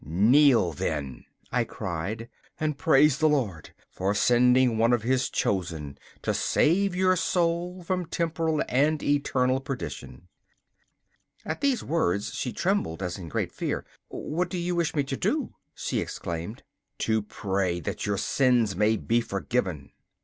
'Kneel, then,' I cried, 'and praise the Lord for sending one of His chosen to save your soul from temporal and eternal perdition!' At these words she trembled as in great fear. 'What do you wish me to do?' she exclaimed. 'To pray that your sins may be forgiven.